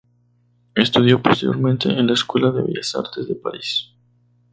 Estudió posteriormente en la Escuela de Bellas Artes de París.